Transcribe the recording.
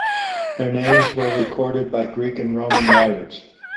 Their names were recorded by Greek and Roman writers.